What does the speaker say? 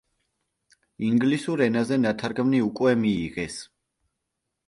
ინგლისურ ენაზე ნათარგმნი უკვე მიიღეს.